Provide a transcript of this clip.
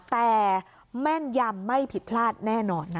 แต่แม่นยำไม่ผิดพลาดแน่นอนนะคะ